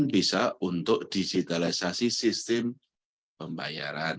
bisa untuk digitalisasi sistem pembayaran